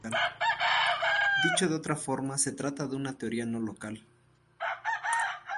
Dicho de otra forma, se trata de una teoría no local.